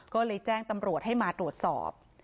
ก็เลยแจ้งตำรวจให้มาตรวจสอบ